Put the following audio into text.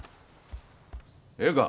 ええか。